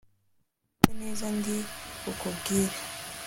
Ufate neza ndi bukubwire